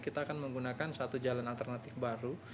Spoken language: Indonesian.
kita akan menggunakan satu jalan alternatif baru